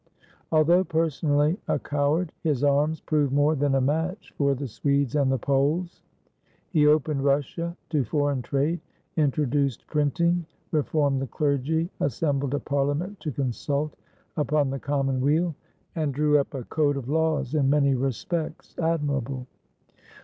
Although personally a coward, his arms proved more than a match for the Swedes and the Poles. He opened Russia to foreign trade, intro duced printing, reformed the clergy, assembled a parlia ment to consult upon the common weal, and drew up a code of laws in many respects admirable.